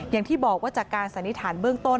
อย่างที่บอกว่าจากการสันนิษฐานเบื้องต้น